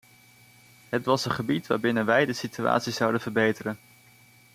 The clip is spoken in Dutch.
Het was een gebied waarbinnen wij de situatie zouden verbeteren.